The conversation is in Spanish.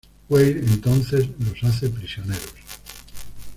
Weir entonces los hace prisioneros.